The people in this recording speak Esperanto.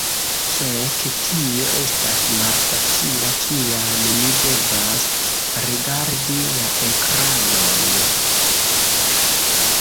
Fek, tio estas malfacila kiam mi devas rigardi la ekranon.